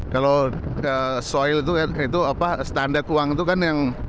kalau soil itu apa standar uang itu kan yang